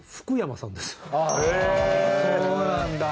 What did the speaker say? そうなんだ。